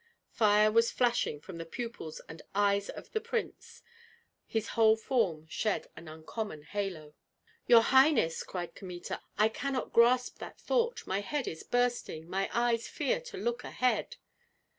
Fire was flashing from the pupils and eyes of the prince; his whole form shed an uncommon halo. "Your highness," cried Kmita, "I cannot grasp that thought; my head is bursting, my eyes fear to look ahead."